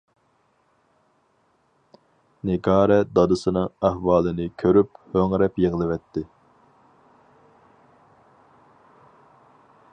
نىگارە دادىسىنىڭ ئەھۋالىنى كۆرۈپ ھۆڭرەپ يىغلىۋەتتى.